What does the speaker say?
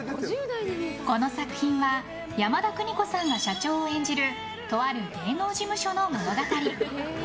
この作品は山田邦子さんが社長を演じるとある芸能事務所の物語。